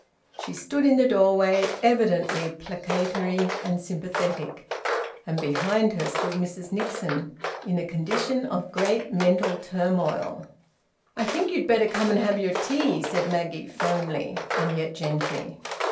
She stood in the doorway, evidently placatory and sympathetic, and behind her stood Mrs Nixon, in a condition of great mental turmoil. "I think you'd better come and have your tea," said Maggie firmly, and yet gently.